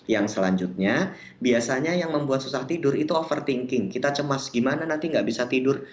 yang selanjutnya biasanya yang membuat susah tidur itu overthinking kita cemas gimana nanti gak bisa tidur